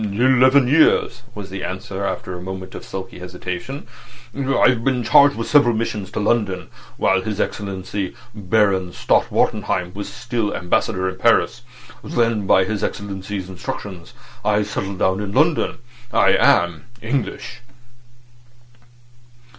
"Eleven years," was the answer, after a moment of sulky hesitation. "I've been charged with several missions to London while His Excellency Baron Stott Wartenheim was still Ambassador in Paris. Then by his Excellency's instructions I settled down in London. I am English."